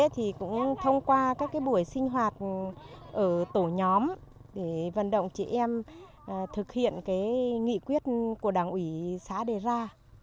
thì cũng thông qua các buổi sinh hoạt ở tổ nhóm để vận động chị em thực hiện cái nghị quyết của đảng ủy xã đề ra